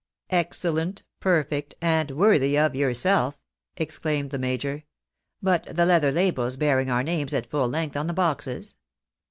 "Excellent, perfect, ant^ worthy of yourself !" exclaimed the A JUBILANT PARTY. 313 major. " But the leather labels bearing our names at full length on the boxes